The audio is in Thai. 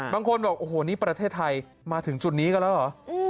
บางคนบอกนี่ไทยมาถึงจุดนี้แล้วเหรอ